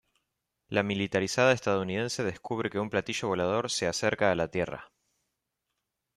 La militarizada estadounidense descubre que un platillo volador se acerca a la tierra.